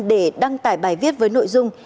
để đăng tải bài viết với nội dung